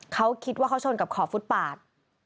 เขาคิดว่าเขาชนกับขอบฟุตปาด